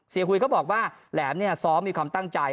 หุยก็บอกว่าแหลมเนี่ยซ้อมมีความตั้งใจ